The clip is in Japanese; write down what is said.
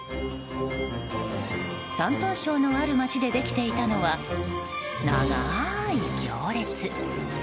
山東省のある町でできていたのは長い行列。